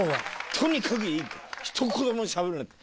「とにかくひと言もしゃべるな」って。